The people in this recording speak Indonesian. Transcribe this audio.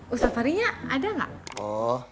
ustadz fahri nya ada gak oh